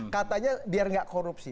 katanya biar tidak korupsi